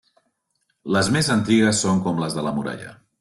Les més antigues són com les de la muralla.